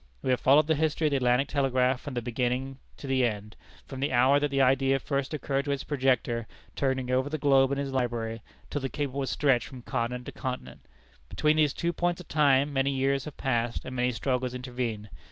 We have followed the history of the Atlantic Telegraph from the beginning to the end; from the hour that the idea first occurred to its projector, turning over the globe in his library, till the cable was stretched from continent to continent. Between these two points of time many years have passed, and many struggles intervened.